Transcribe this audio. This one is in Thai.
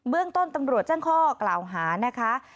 เรื่องต้นตำรวจแจ้งข้อกล่าวหานะคะ